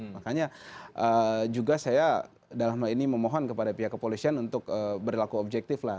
makanya juga saya dalam hal ini memohon kepada pihak kepolisian untuk berlaku objektif lah